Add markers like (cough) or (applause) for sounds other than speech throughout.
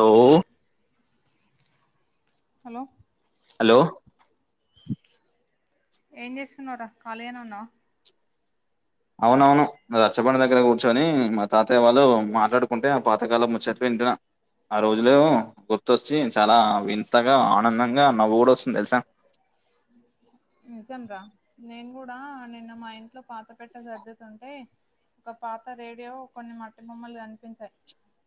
Hello hello hello ఏం చేస్తున్నవ్ రా ఖాళీగనే వున్నావ అవునవును రచ్చపడి దగ్గర కూర్చొని మా తాతయ్య వాళ్ళు మాట్లాడుకుంటే ఆ పాతకాలం ముచ్చట్లు వింటున ఆ రోజులే గుర్తుచ్చి చాలా వింతగా ఆనందంగా నవ్వు కూడా వస్తుంది తెలుస నిజం రా నేను కూడా నిన్న మా ఇంట్లో పాత పెట్టే సర్దతుంటే ఒక పాత రేడియో కొన్ని మట్టి బొమ్మలు కనిపించాయి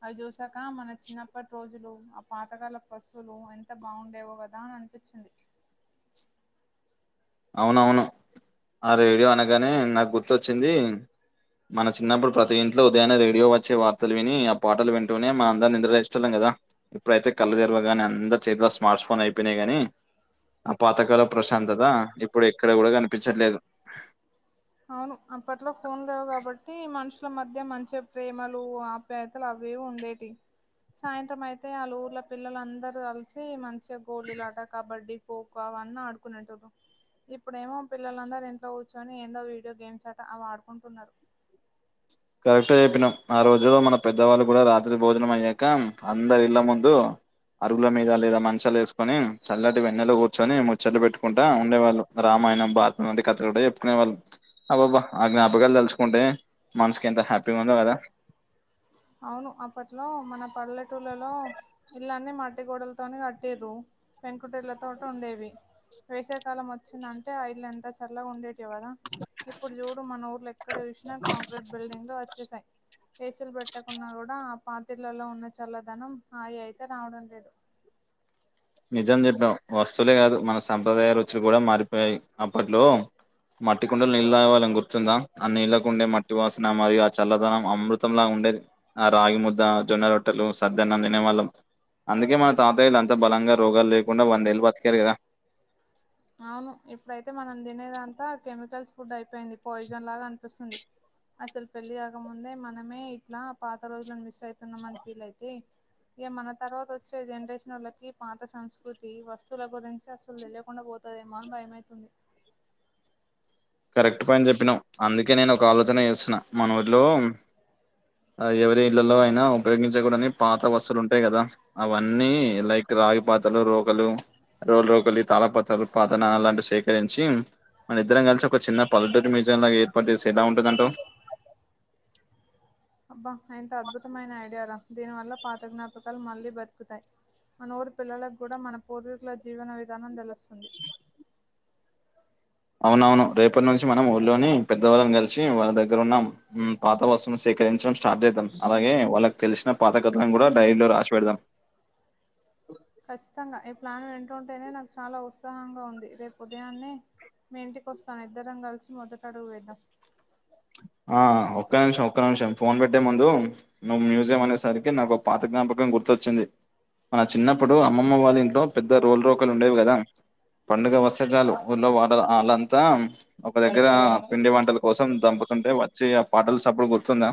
అవి చూసాక మన చిన్నప్పటి రోజులు ఆ పాతకాల పశువులు ఎంత బాండేవో కదా దా అనిపిచింది అవునవును ఆ రేడియో అనగానే నాకు గుర్తొచ్చింది మన చిన్నప్పుడు ప్రతి ఇంట్లో ఉదయన రేడియో వచ్చే వార్తలు విని ఆ పాటలు వింటూనే మన అందరం నిద్ర లేష్టలం కదా ఇప్పుడైతే కళ్ళ తెరువ గాని అందరు చేతిలో స్మార్ట్స్ ఫోన్ అయిపోయినాయి గాని ఆ పాతకాలం ప్రశాంతత ఇప్పుడు ఎక్కడ కూడా కనిపించట్లేదు అవును అప్పట్లో ఫోన్ లేవు కాబట్టి మనుషుల మధ్య మంచి ప్రేమలు ఆప్ పేతలు అవి ఇవి ఉండేటివి సాయంత్రం అయితే ఆళ్ళ ఊర్ల పిల్లలందరూ కలిసి మంచిగా గోలిలాట కబడ్డీ పోకు వన్న ఆడుకునేటోళ్లు ఇప్పుడ ఏమో పిల్లలందరూ ఇంట్లో కూచ్చుని ఏందో వి వీడియో గేమ్స్ అట అవి ఆడుకుంటున్నారు కరెక్ట్ గా చెప్పినవ్ ఆ రోజుల్లో మన పెద్దవాళ్ళు కూడా రా త్రి భోజనం అయ్యాక అందరు ఇళ్ళ ముందు అరుగుల మీద లేదా మంచాలు వేసు ని చల్లటి వెన్నెలో కూర్చొని ముచ్చట్లు పెట్టుకుంటా ఉండేవాళ్ళు రామాయణం బాతం వంటి కథలు కూడా చెప్పుకునేవాళ్ళు అబ్బాబ్బా ఆ జ్ఞాపకాలు తలుచుకుంటే మనసుకి ఎంత హ్యాపీగా ఉందో కదా అవును అప్పట్లో మన పల్లెటూళ్లలో ఇల్లన్ని మట్టిగోడలతోనే కట్టిరు పెంకుటేలతోటి ఉండేవి వేసాకాలం వచ్చిందంటే ఆ ఇల్లు ఎంత చల్లగా ఉండేట్ విదా ఇప్పుడు చూడు మన ఊర్లు ఎక్కడ చూసినా కాంక్రీట్ బిల్డింగ్లు వచ్చేసాయి కేసులు పెట్టకున్నా కూడా ఆ పాతిళ్లలో ఉన్న చల్లదనం ఆగి అయితే రావడం లేదు నిజం చెప్పవ్ వస్తువులే కాదు మన సంప్రదాయ రుచులు కూడా మారిపోయాయి అప్పట్లో మట్టి కుండలు నీళ్ళ దాగలని గుర్తుందా ఆ నీళ్ళకుండే మట్టి వాసన మరియు ఆ చల్లదనం అమృతంలా ఉండేది ఆ రాగి ముద్ద జొన్న రొట్టెలు సద్దన్నం తినేవాళ్ళం అందుకే మన తాతయ్యలు అంత బలంగా రోగాలు లేకుండా వందేళ్ళ బతికారు కదా అవును ఇప్పుడైతే మనం తినేదంతా కెమికల్స్ ఫుడ్ అయిపోయింది పాయిజన్ లాగా అనిపిస్తుంది అసలు పెళ్లి కాకముందే మనమే ఇట్లా పాత రోజులను మిస్ అవుతున్నాం అని ఫీల్ అయితే ఇక మన తర్వాత వచ్చే జనరేషన్ వాళ్లకి పాత సంస్కృతి వస్తువుల గురించి అసలు తెలియకుండా పో తదేమోని భయమవుతుంది కరెక్ట్ పాయింట్ చెప్పినవ్ అందుకే నేను ఒక ఆలోచన చేస్తున్నా మనూర్లో ఎవరి ఇళ్లలో అయినా ఉపయోగించకూడని పాత వస్తువులు ఉంటయి కదా అవన్నీ లైక్ రాగి పాత్రలు రోక్ లు రోల్ రోకలి తాళపత్రాలు పాత అలాంటివి సేకరించి మన ఇద్దరం కలిసి ఒక చిన్న పలేటురీ మ్యూజియం లాగ ఏర్పాటు చేస్తే ఎలా ఉంటదంటవు అబ్బా ఎంత అద్భుతమైన ఐడియారా దీనివల్ల పాత జ్ఞాపకాలు మళ్ళీ బతుకుతాయి మన ఊరు పిల్లలకు కూడా మన పూర్వీకుల జీవన విధానం తెలుస్తుంది అవునవును రేపటి నుంచి మనం ఊర్ళోని పెద్దవాళ్ళని కలిసి వాళ్ళ దగ్గరున్నా పాత వస్తువును సేకరించడం స్టార్ట్ చేద్దాం అలాగే వాళ్ళకి తెలిసిన పాత కథలను కూడా డైరీలో రాసి పెడదాం ఖచ్చితంగా ఈ ప్లాన్ వింటుంటేనే నాకు చాలా ఉత్సాహంగా ఉంది రేపు ఉదయాన్నే మీ ఇంటికి వస్తాను ఇద్దరం కలిసి మొదటడుగు వేద్దాం ఆ ఒక్క నిమిషం ఒక్క నిమిషం ఫోన్ పెట్టే ముందు నువ్వు మ్యూజియం అనేసరికి నాకు ఒక పాత జ్ఞాపకం గుర్తొచ్చింది మన చిన్నప్పుడు అమ్మమ్మ వాళ్ళ ఇంట్లో పెద్ద రోలు రోకలు ఉండేవి కదా పండుగ వస్తే చాలు ఊళ్ళో వాడల వాళ్ళంతా ఒక దగ్గర పిండి వంటల కోసం దంపుతుంటే వచ్చి ఆ పాటలు సప్పుడు గుర్తుందా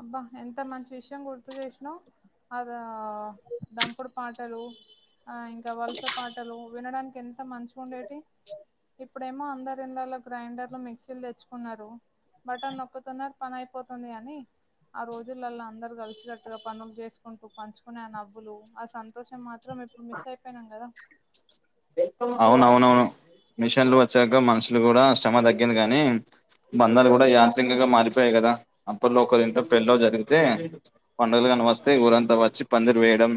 అబ్బా ఎంత మంచి విషయం గుర్తుచేసినవ్ అదే ఆ దంపుడు పాటలు ఆ ఇంకా వలస పాటలు వినడానికి ఎంత మంచిగ ఉండేటియి ఇప్పుడేమో అందరు ఇండ్లలో గ్రైండర్లు మిక్సీలు తెచ్చుకున్నారు బటన్ నొక్కుతున్నారు పని అయిపోతుంది అని ఆ రోజులల్లా అందరు కలిసి గట్టుగా పనులు చేసుకుంటూ పంచుకునే ఆ నవ్వులు ఆ సంతోషం మాత్రం మిస్ అయిపోయినాం కదా అవునవునవును మిషన్లు వచ్చాక మనుషులు కూడా శ్రమ తగ్గింది కనీ బంధాలు కూడా (unintelligible) మారిపోయాయి కదా అప్పట్లో ఇంట్లో పెళ్ళి జరిగితే పండుగలు అని వస్తే ఊరంతా వచ్చి పందిరి వేయడం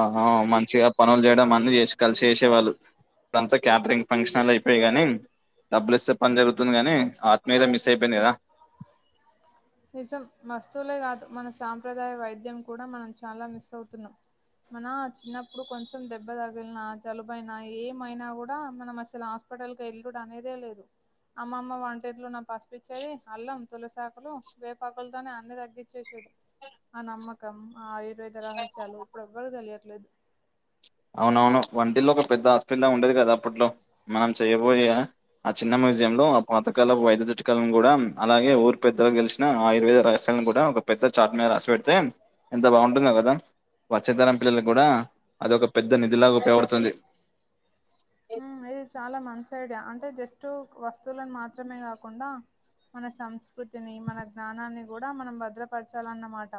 ఆహా మంచిగా పనులు చేయడం అన్ని చేసి కలిసి చేసేవాళ్ళు అంతా క్యాటరింగ్ ఫంక్షన్ హాళ్లు అయిపోయాయి గాని డబ్బులు ఇస్తే పని జరుగుతుంది కానీ ఆత్మీయత మిస్ అయిపోయింది కదా నిజం వస్తువులే కాదు మన సాంప్రదాయ వైద్యం కూడా మనం చాలా మిస్ అవుతున్నాం మన చిన్నప్పుడు కొంచెం దెబ్బ తగిలిన జలుబయిైన ఏమైనా కూడా మనం అసలు హాస్పటల్కు ఎల్లుడు అనేదే లేదు అమ్మమ్మ వంటింట్లో ఉన్న పసుపిచ్చేది అల్లం తులిసాకులు వేపాకులతోనే అన్ని తగ్గచ్చేసేది ఆ నమ్మకం ఆ వేద రహస్యాలు ఇప్పుడు ఎవ్వరికి తెలియట్లేదు అవునవును వంటిల్లోక పెద్ద హాస్పిటల్లా ఉండేది కదా అప్పట్లో మనం చెయబోయ ఆ చిన్న మ్యూజియం లో ఆ పాతకాలపు వైద్యు లను కూడా అలాగే ఊరు పెద్దలకు గెలిసిన ఆయుర్వేద రసాలను కూడా ఒక పెద్ద చాట్మద రస పెట్టి తే ఎంత బాగుంటుందో కదా వచ్చే తరం పిల్లలకు కూడా అదొక పెద్ద నిధిలాగా ఉపయగపడుతుంది ఇది చాలా మంచి ఐడియా అంటే జస్ట్ వస్తువులను మాత్రమే కాకుండా మన సంస్కృతిని, మన జ్ఞానాన్ని కూడ మనం భద్రపరచాలన్నమాట.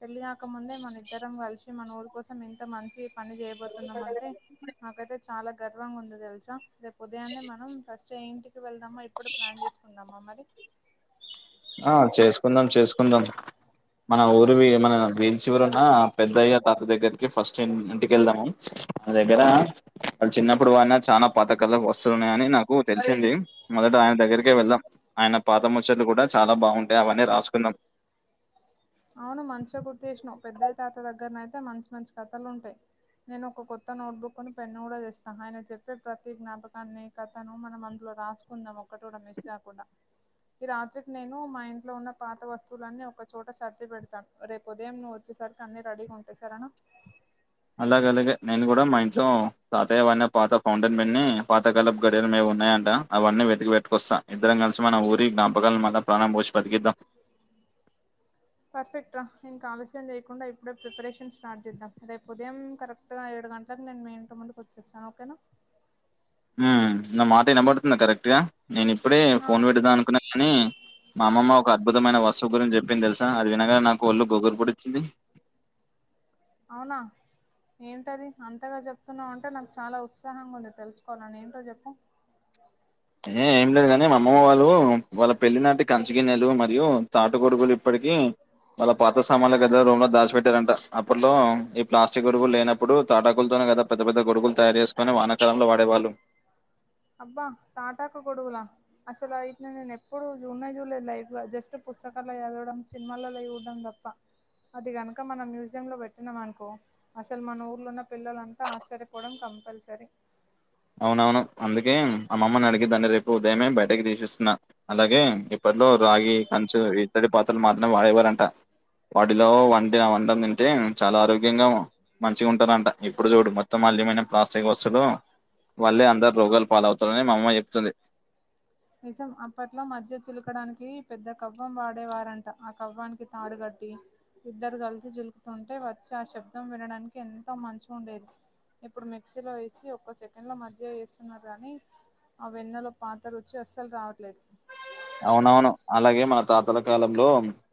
పెళ్ళకాక ముందే మన ఇద్దరం కలిసి మన ఊరి కోసం ఇంత మంచి పని చేయబోతున్నామంటే నాకైతే చాలా గర్వంగా ఉంది తెలుసా! రేపు ఉదయాన్నే మనం ఫస్ట్ ఏ ఇంటికి వెళ్దామో, ఇప్పుడు ప్లాన్ చేసుకుందామా మరి? ఆ చేసుకుందాం. చేసుకుందాం. మన ఊరివి మన గ్రీన్ చివరున్న పెద్దయ్య తాత దగ్గరికి ఫస్ట్ ఇంటికెళ్దాము. నా దగ్గర వాళ్ళు చిన్నప్పుడు వాడిన చాలా పాతకాలపు వస్తువులు ఉన్నాయని నాకు తెలిసింది. మొదట ఆయన దగ్గరికే వెళ్దాం. ఆయన పాత ముచ్చట్లు కూడా చాలా బాగుంటాయి అవన్నీ రాసుకుందాం. అవును మంచిగ గుర్తు చేసినావు. పెద్దయ్య తాత దగ్గరనయితే మంచి మంచి కథలు ఉంటాయి. నేను ఒక కొత్త నోట్బుక్ను, పెన్ను కూడా తెస్తా. ఆయన చెప్పే ప్రతి జ్ఞాపకాన్ని, కథను మనం అందులో రాసుకుందాం ఒకటి కూడా మిస్ కాకుండా ఈ రాత్రికి నేను మా ఇంట్లో ఉన్న పాత వస్తువులన్నీ ఒక చోట్ ట సర్ది పెడతాను రేపు ఉదయం నువ్వు వచ్చేసరికి అన్ని రెడీగా ఉంటాయి సరేనా! అలాగలాగే నేను కూడా మా ఇంట్లో తాతయ్యవాన్య పాత ఫౌంటైన్ బన్ని పాత కాలపు గడియారం ఏమో ఉన్నాయంట. అవన్నీ వెతికి పెట్టుకొస్తా ఇద్దరం కలిసి మన ఊరి జ్ఞాపకాలను మళ్ల ప్రాణం పోసి బతికిద్దాం. పర్ఫెక్ట్ రా ఇంక ఆలస్యం చేయకుండా ఇప్పుడే ప్రిపరేషన్ స్టార్ట్ చేద్దాం. రేపు ఉదయం కరెక్ గ ఏడు గంటలకు నేను మీ ఇంటి ముందుకు వచ్చేస్తాను ఓకేనా. మ్ నా మాట వినబడుతుందా కరెక్ట్ గా? నేను ఇప్పుడే ఆ, ఫోన్ పెట్టేద్దాం అనుకున్నా కాని, మా అమ్మమ్మ ఒక అద్భుతమైన వస్తువు గురించి చెప్పింది తెలుసా అది వినగా నాకు ఒళ్ళు గొగ్గురు పొడిచింది. అవునా ఏంటది అంతగా చెప్తున్నావు అంటే నాకు చాలా ఉత్సాహంగా ఉంది తెలుసుకోవాలని, ఏంటో చెప్పు. ఏ ఏం లేదు గానీ మా అమ్మమ్మ వాళ్ళు వాళ్ళ పెళ్లి నాటి కంచిగన్నెలు మరియు తాటు గోడుగులు ఇప్పటికీ, వాళ్ళ పాత సామాన్ల గదిలో రూమ్ లో దాచి పెట్టారంట. అప్పట్లో ఈ ప్లాస్టిక్ గొడుగులు లేనప్పుడు తాటాకులతోనే కదా, పెద్ద పెద్ద గొడుగులు తయారు చేసుకొని, వానకాలంలో వాడేవాళ్లు. అబ్బా తాటాకు గొడుగులా? అసలు అయిట్నే నేను ఎప్పుడు చూడనే చూడలేదు లైఫ్ లో జస్ట్ పుస్తకాల్లో చదవడం సినిమాల్లల్లో చడడం తప్ప అది కనుక మనం మ్యూజియ లో పెట్టినం అనుకో అసలు మన ఊర్లో ఉన్న పిల్లలంతా ఆశ్చర్యపోవడం కంపల్సరీ. అవునవును. అందుకే అమ్మమ్మని అడిగి దాన్ని రేపు ఉదయమే బయటకి తీసిస్తున్నా. అలాగే ఇప్పట్లో రాగి, కంచు, ఇత్తడి ఇత్తడి పాత్రలు మాత్రమే వాడేవారంట. వాటిలో వంటిన వంటని తింటే చాలా ఆరోగ్యంగా మంచిగా ఉంటారంట. ఇప్పుడు చూడు మొత్తం అల్యూమినియం, ప్లాస్టిక్ వస్తువులు వాళ్లేే అందరు రోగాలు పాలవుతారని మా అమ్మ చెప్తుంది. నిజం అప్పట్లో మజ్జిగ చిలుకడానికి పెద్ద కవ్వం వాడేవారంట. ఆ కవ్వానికి తాడుగట్టి, ఇద్దరు కలిసి జిలుకుతుంటే వచ్చి ఆ శబ్దం వినడానికి ఎంత మంచిగ ఉండేది. ఇప్పుడు మిక్సీలో వేసి ఒక్క సెకండ్ లో మజ్జిగ చేస్తున్నారు కాని, ఆ వెన్నెలో పాత్ర చ్చసలు రావట్లేదు అవునవును. అలాగే మన తాతల కాలంలో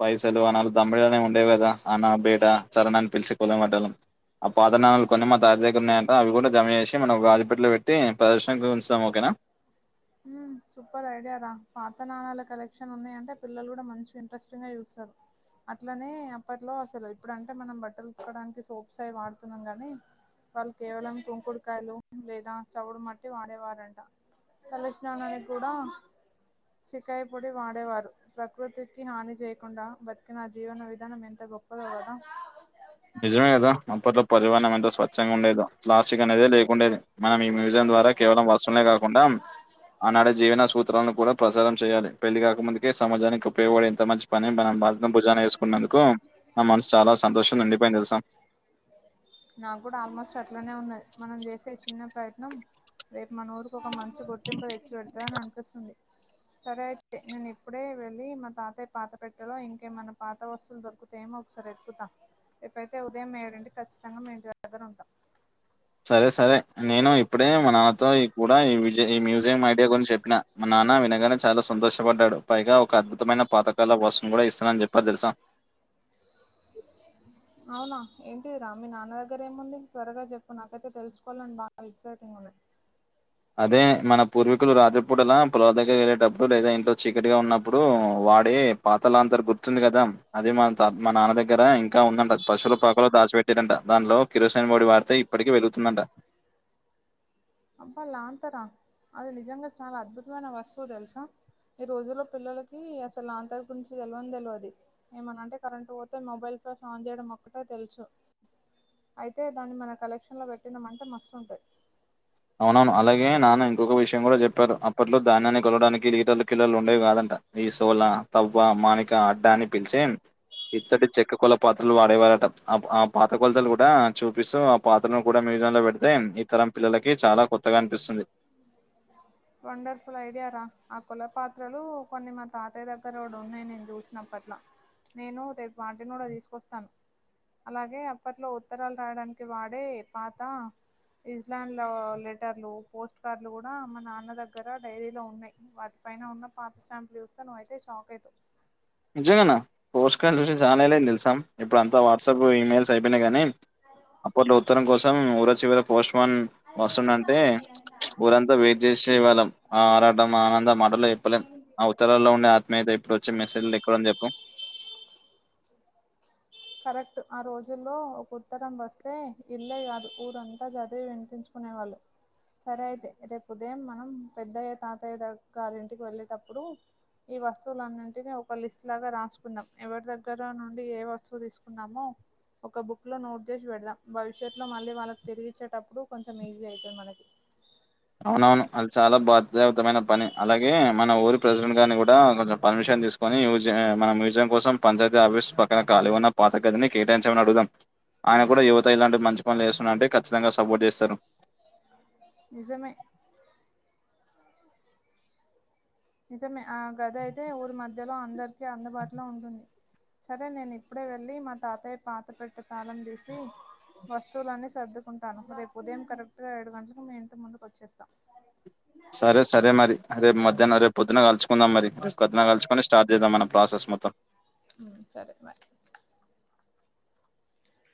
పైసలు, అనాలు, దమ్మిడిలనే ఉండేవి కదా! అనా, బేడ. సరన్ అని పిలిచి కోలెమడ్డలం ఆ పాతనాణలు కొన్ని మా తాత దగ్గర ఉన్నాయంట. అవి కూడా జమ చేసి మనం గాజు పెట్టిలో పెట్టి ప్రదర్శన కి ఉంచుదాం ఓకేనా. మ్ సూపర్ ఐడియా రా. పాత నాణాల కలెక్షన్ ఉన్నాయంటే పిల్లలు కూడ మంచి ఇంట్రెస్టింగ్గా చూస్తారు. అట్లనే అప్పట్లో అసలు ఇప్పుడు అంటే మనం బట్టలు ఉతకడానికి సోప్స్ అవి వాడుతున్నాం కానీ, వాళ్ళు కేవలం కుంకుడుకాయలు లేదా చవుడు మట్టి వాడేవారంట. తలస్ స్నానానికి కూడ షికాయి పొడి వాడేవారు. ప్రకృతికి హాని చేయకుండా బతికిన జీవన విధానం ఎంత గొప్పదో కదా, నిజమే కదా అప్పట్లో పరివనం ఎంతో స్వచ్ఛంగుండేదో ప్లాస్టిక్ అనేదే లేకుండేది మనం ఈ మ్యూజియం ద్వారా కేవలం వస్సువులే కాకుండా ఆ నాడే జీవన సూత్రాలను కూడా ప్రసారం చేయాలి పెళ్లి కాకముందుకే సమజానికి ఉపయోగపడేంత మంచి పని మనం బార్ న భుజాన వేసుకున్నందుకూ మా మనసు చాలా సంతోషం నిండిపేంది తెలుసా నా క్కూడ ఆల్మోస్ట్ అట్లనే ఉన్నది మనం చేసే చిన్న ప్రయత్నం రేపు మన ఊరుకు ఒక మంచి గుర్తింపు తెచ్చిపెడతా అని అనిపిస్సుంది సరే అయితే నేను ఇప్పుడే వెళ్ళీ మా తాతయ్య పాత పెట్టెలో ఇంక్ ఏమన్న పాత వస్తువులు దొరుకుతాయేమో ఒకసారి ఎతుకుతా రెపైతే ఉదయం ఏడింటికి కచ్చితంగా మీ ఇంటి దగ్గర ఉంటా సరే సరే నేనూ ఇప్పుడే మ నాతో కూడా ఈవిజే ఈ మ్యూజియం ఐడియా గురించి చెప్పినా మా నాన్నా వినగానే చాలా సంతోషపడ్డాడు పైగా ఒక అద్భుతమైన పాతకాల వస్తువు కూడా ఇస్తానని చెప్పారు తెలుసా అవునా ఏంటి రా మీ నాన్న దగ్గర ఏముంది త్వరగా చెప్పు నాకైతే తెలుసుకోవాలని బాగ ఎక్సైటింగ్ ఉన్న అదే మన పూర్వీకులు రాత్రి పూటలా పొలాల దగ్గర వెళ్ళేటప్పుడు లేదా ఇంట్లో చీకటిగా ఉన్నప్పుడూ వాడే పాత లాంతరు గుర్తుంది కదా అది మాత మా నాన్న దగ్గర ఇంకా ఉంద పశువులు పాకలో దాచిపెట్ డేనట దాంట్లో కిరోసిన్ ఒడి వాడ్తే ఇప్పటికి వెలుగుతుందంట అబ్బ లాంతరా అది నిజంగ చాలా అద్భుతమైన వస్తువు తెలుసా ఈ రోజుల్లో పిల్లలకీ అసలు లాంతర్ గురించి తెలవనే తెలవదు ఏమన్న అంటే కరెంట్ పోతే మొబైల్ ఫోన్ ఆన్ చేయడం ఒక్కటే తెలుసు అయితే దాన్ని మన కలెక్షన్ లో పెట్టిన మంటే మస్తు ఉంటది అవునవును అలాగే నాన్న ఇంకొక విషయం కూడా చెప్పారు అప్పట్లో ధాన్యాన్ని కొలవడానికి లీటర్లు కిలోలు ఉండేవి కాదంట ఈ సోల తవ్వ మానిక అడ్డా అని పిలిచే ఇత్తటి చెక్క కొల పాత్రలు వాడేవారట అ ఆ పాత కొలతలు కూడా చూపిస్తూ పాత్రను కూడా మ్యూజియం లో పెడితే ఈ తరం పిల్లలకి చాలా కొత్తగా అనిపిస్సుంది వండర్ఫుల్ ఐడియార ఆ కొల పాత్రలూ కొన్ని మా తాతయ్య దగ్గర కూడా ఉన్నాయి నేను చూసిన అప్పట్ల నేనూ రేపు వాటిని కూడ తీసుకొస్తాను అలాగే అప్పట్లో ఉత్తరాలు రాయడానికి వాడే పాతా ఇజ్లాన్ లో లెటర్లు పోస్ట్ కార్డులు కూడా మనా న్న దగ్గర డైరీలో ఉన్నయ్ వాటి పైన ఉన్న పాత స్టాంపు చూస్తే నువ్ అయితే షాక్ అయితవ్ నిజంగనా పోస్ట్ కాన్ చూసి చాన ఏళ్ల అయిన్ది తెలుసా ఇప్పుడు అంతా వాట్సప్ ఈమెయిల్స్ అయిపోయినాయిగానీ అప్పట్లొ ఉత్తరం కోసం ఊర చివర పోస్ట్మన్ అది ఏం వస్తుందంటే సౌండ్ అంట ఊరంత వెయిట్ చేసేవాళ్ళం ఆ ఆరాటం ఆనందం మాటల్లో చెప్పలేం నాకేం అ వినిపిత్తలేదు ఉత్తరాల్లో ఉండే ఆత్మీయత ఇప్పుడు వచ్చే మెసేజ్లొ ఎక్కడుంది చెప్పు కరెక్టు ఆ రోజుల్లో ఒక ఉత్తరం వస్తే ఇల్లే కాదు ఊరంతా చదివి వినిపించు కునేవాళ్ళు సరే అయితే రేపు ఉదయం మనం పెద్దయ్య తాతయ్య దగ్ గారి ఇంటికి వెళ్ళేటప్పుడూ ఈ వస్తువులన్నింటిని ఒక లిస్ట్ లాగా రాసుకుందాం ఎవరి దగ్గర నుండి ఏ వస్త్ చూ తీసుకున్నామో ఒక బుక్ లో నోట్ చేసి పెడదాం భవిష్యత్ లో మళ్ళీ వాళ్ళకి తిరిగిచ్చేటప్పుడు కొంచెం ఈజీ అయితుంది మనకి అవునవును అది చాలా బాధ్యాయుతమైన పని అలాగే మన ఊరి ప్రెసిడెంట్ గారిని కూడా కొంచం పర్మిషన్ తీసుకు కొని యుజే మన మ్యూజియం కోసం పంచాయతీ ఆఫీస్ పక్కన ఖాలీ ఉన్న పాత గదిని కేటాయించమని అడుగుదాం ఆయన కూడా యువత ఇలాంటి మంచి పనులు చేస్తున్నా అంటే ఖచ్చితంగా సపోర్ట్ చేస్తారు నిజమే నిజమే ఆ గది అయితే ఊరి మధ్యలో అందరికి అందుబాటులో ఉంటుంది సరే నేను ఇప్పుడే వెళ్లీ మా తాతయ్య పాత పెట్టే తాళం తీసీ వస్తువులన్నీ సర్దుకుంటాను రేపు ఉదయం కరెక్ట్ గా ఏడు గంటలకు మీ ఇంటి ముందుకు వచ్చేస్తా సరే సరే మరి రేపు మద్యాహ్నం రేపు పొద్దున కలుసుకుందాం మరి, రేపు పొద్దున కలుసుకుని స్టార్ట్ చేద్దాం మన ప్రాసెస్ మొత్తం. మ్మ్ సరే మరి అ